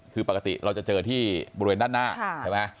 คือปกติเราจะเจอที่บริเวณด้านหน้าใช่ไหม